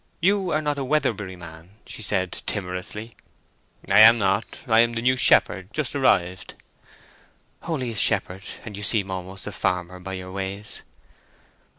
"You are not a Weatherbury man?" she said, timorously. "I am not. I am the new shepherd—just arrived." "Only a shepherd—and you seem almost a farmer by your ways."